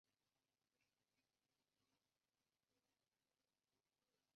এরফলে ওডিআই দলে নিয়মিতভাবে খেলার যোগ্যতা লাভ করেন।